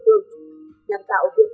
đây cũng là bài toán